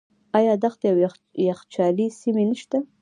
آیا دښتې او یخچالي سیمې نشته؟